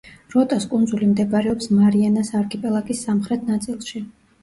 როტას კუნძული მდებარეობს მარიანას არქიპელაგის სამხრეთ ნაწილში.